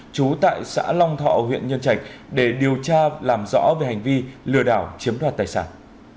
trú tại xã long thọ huyện nhân trạch để điều tra làm rõ về hành vi lừa đảo chiếm đoạt tài sản